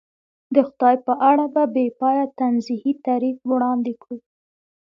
د خدای په اړه بې پایه تنزیهي تعریف وړاندې کړو.